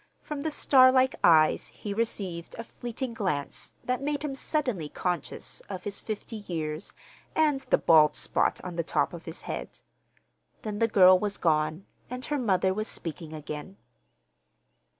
From the starlike eyes he received a fleeting glance that made him suddenly conscious of his fifty years and the bald spot on the top of his head. Then the girl was gone, and her mother was speaking again.